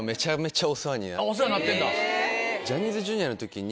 お世話になってんだ。